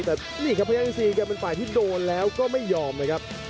แต่นี่ครับพยายามที่๔กันเป็นฝ่ายที่โดนแล้วก็ไม่ยอมเลยครับ